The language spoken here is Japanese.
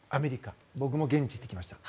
僕も現地行ってきました。